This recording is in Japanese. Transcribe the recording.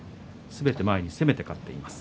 すべて前に出て攻めています。